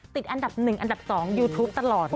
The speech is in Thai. ติดอันดับหนึ่งอันดับสองยูทูปตลอดเลย